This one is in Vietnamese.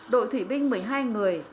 đội thủy binh một mươi hai người